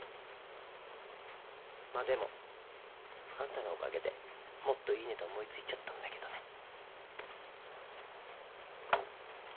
まあでもあんたのおかげでもっといいネタ思い付いちゃったんだけどね。